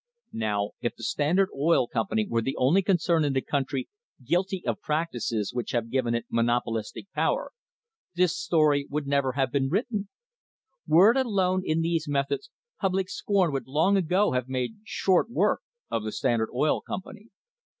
Now, if the Standard Oil Company were the only concern in the country guilty of the practices which have given it monopolistic power, this story never would have been written. Were it alone in these methods, public scorn would long ago have made short work of the Standard Oil Company.